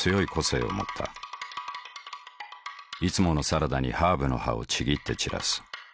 いつものサラダにハーブの葉をちぎって散らす。